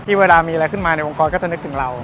เวลามีอะไรขึ้นมาในองค์กรก็จะนึกถึงเรา